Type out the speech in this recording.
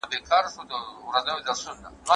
هنر او سياست له پخوا څخه سره تړلي وو.